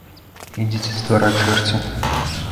Ідзіце з двара, чэрці!